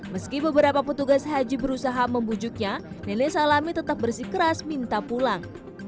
meski beberapa petugas haji berusaha membujuknya nenek salami tetap bersih keras minta pulang